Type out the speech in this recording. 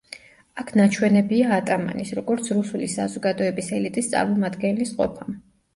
აქ ნაჩვენებია ატამანის, როგორც რუსული საზოგადოების ელიტის წარმომადგენლის ყოფა.